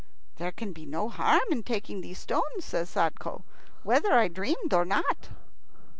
"There can be no harm in taking these stones," says Sadko, "whether I dreamed or not."